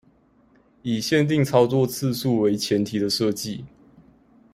以限定操作次數為前提的設計